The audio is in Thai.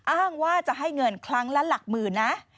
อ้างว่าจะให้เงินคลังละลากมือนะ